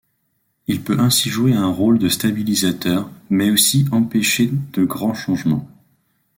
Il peut ainsi jouer un rôle de stabilisateur, mais aussi empêcher de grands changements.